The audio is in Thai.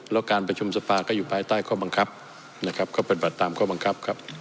แล้วการประชุมสภาก็อยู่ภายใต้ข้อบังคับนะครับก็ปฏิบัติตามข้อบังคับครับ